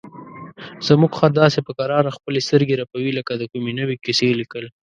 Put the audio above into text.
زموږ خر داسې په کراره خپلې سترګې رپوي لکه د کومې نوې کیسې لیکل.